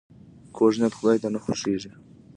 کوږ نیت خداي ته نه خوښیږي